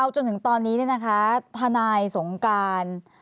เอาจนถึงตอนนี้เนี่ยนะคะทนายสงการ